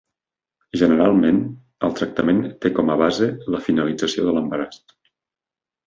Generalment, el tractament té com a base la finalització de l'embaràs.